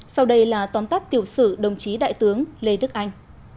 sau đây là tóm tắt tiểu sử đồng chí đại tướng lê đức anh